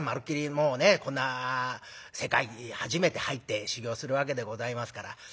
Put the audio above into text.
もうねこんな世界に初めて入って修業するわけでございますから。